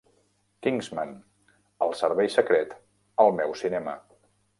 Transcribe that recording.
Kingsman: El servei secret al meu cinema